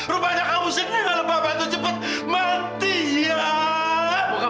rupanya kamu seneng kalau bapak itu cepat mati ya